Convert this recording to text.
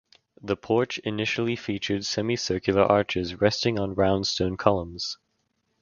The porch initially featured semicircular arches resting on round stone columns.